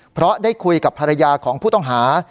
เพราะได้คุยกับภรรยาของผู้ต้องหา